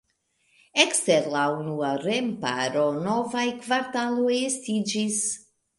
Ekster la unua remparo novaj kvartaloj estiĝis.